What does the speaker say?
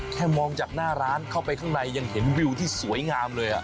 มองจากหน้าร้านเข้าไปข้างในยังเห็นวิวที่สวยงามเลย